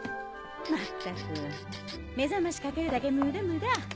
まったく目覚ましかけるだけムダムダ。